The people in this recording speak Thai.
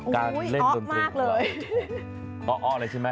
การเล่นสนิทอะไรออะไรใช่มั้ย